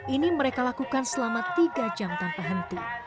ini mereka lakukan selama tiga jam tanpa henti